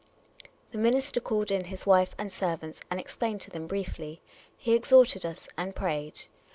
The minister called in his wife and servants, and explained to them briefly. He exhorted us and prayed.